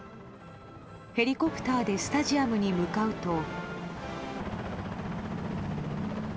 ヘリコプターでスタジアムに向かうと。